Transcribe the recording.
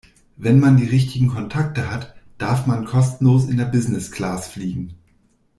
Wenn man die richtigen Kontakte hat, darf man kostenlos in der Business-Class fliegen.